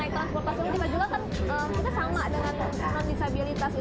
di majulah kan kita sama dengan non disabilitas